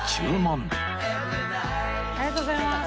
ありがとうございます。